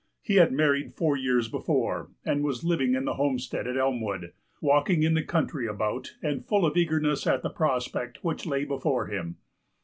He had married four years before, and was living in the homestead at Elmwood, walking in the country about, and full of eagerness at the prospect which lay before him.